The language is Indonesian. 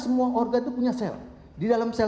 semua organ itu punya sel di dalam sel